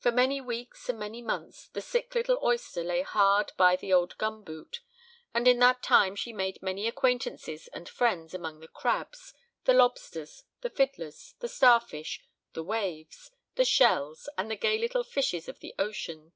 For many weeks and many months the sick little oyster lay hard by the old gum boot; and in that time she made many acquaintances and friends among the crabs, the lobsters, the fiddlers, the star fish, the waves, the shells, and the gay little fishes of the ocean.